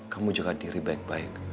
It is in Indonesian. kamu jaga diri baik baik